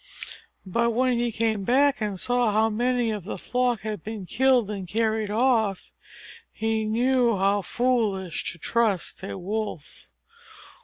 But when he came back and saw how many of the flock had been killed and carried off, he knew how foolish to trust a Wolf.